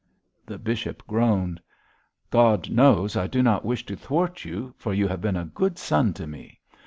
The bishop groaned. 'God knows I do not wish to thwart you, for you have been a good son to me.